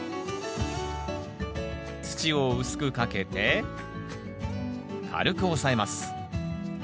土を薄くかけて軽く押さえます。